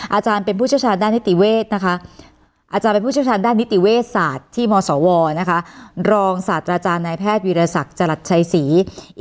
อาจารย์เป็นผู้เชี่ยวชาญด้านนิติเวศนะคะอาจารย์เป็นผู้เชี่ยวชาญด้านนิติเวชศาสตร์ที่มศวนะคะรองศาสตราจารย์นายแพทย์วิรสักจรัสชัยศรี